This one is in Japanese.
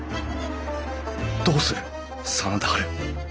どうする真田ハル！